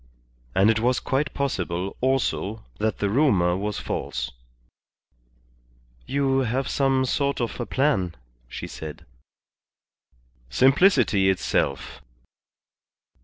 And it was quite possible, also, that the rumour was false. "You have some sort of a plan," she said. "Simplicity itself.